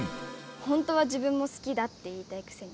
ほんとは自分も好きだって言いたいくせに。